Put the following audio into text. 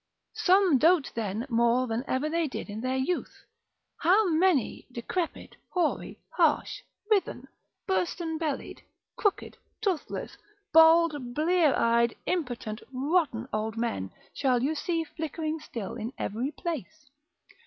Some dote then more than ever they did in their youth. How many decrepit, hoary, harsh, writhen, bursten bellied, crooked, toothless, bald, blear eyed, impotent, rotten, old men shall you see flickering still in every place?